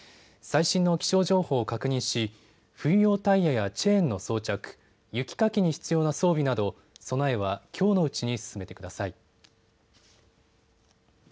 最新の気象情報を確認し冬用タイヤやチェーンの装着、雪かきに必要な装備など備えはきょうのうちに進めてください。